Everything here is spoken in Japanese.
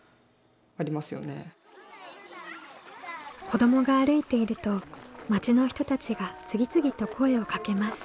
子どもが歩いていると町の人たちが次々と声をかけます。